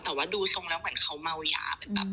แต่ว่าดูสงแล้วเหมือนเขาเมาหยา